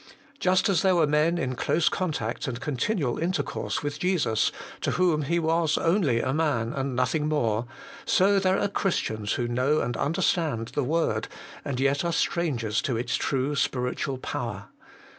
Just as there were men in close contact and continual intercourse with Jesus, to whom He was only a man, and nothing more, so there are Christians who know and understand the word, and yet are strangers to its true spiritual power.